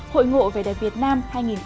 hội ngộ về đẹp việt nam hai nghìn một mươi tám